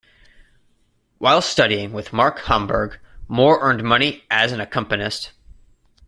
While studying with Mark Hambourg, Moore earned money as an accompanist.